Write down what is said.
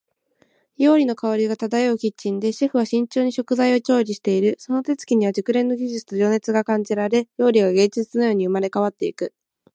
料理の香りが漂うキッチンで、シェフは慎重に食材を調理している。その手つきには熟練の技術と情熱が感じられ、料理が芸術のように生まれ変わっていく。